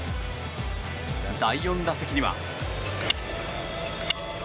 第４打席には。